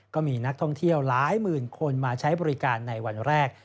ก็มีนักท่องเที่ยวหลายหมื่นคนมาใช้บริการในวันแรก